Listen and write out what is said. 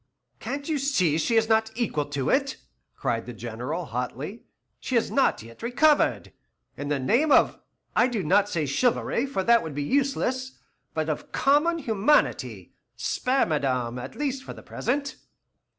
"Can't you see she is not equal to it?" cried the General, hotly. "She has not yet recovered. In the name of I do not say chivalry, for that would be useless but of common humanity, spare madame, at least for the present."